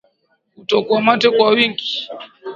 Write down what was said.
Kutokwa mate kwa wingi